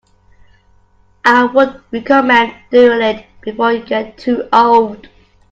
I would recommend doing it before you get too old.